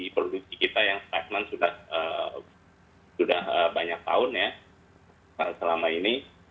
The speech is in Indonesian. produksi kita yang statement sudah banyak tahun ya selama ini